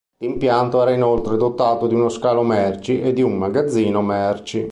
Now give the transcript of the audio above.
L'impianto era inoltre dotato di uno scalo merci e di un magazzino merci.